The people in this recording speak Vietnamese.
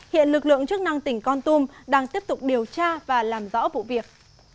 hiện lực lượng chức năng tỉnh con tum đang tiếp tục điều tra và làm rõ vụ việc